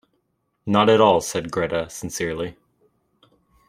"Not at all," said Greta sincerely.